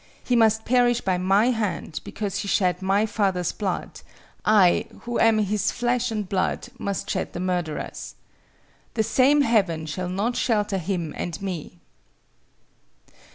He must perish by my hand; because he shed my father's blood, I, who am his flesh and blood, must shed the murderer's. The same Heaven shall not shelter him and me."